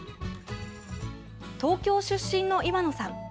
東京出身の岩野さん。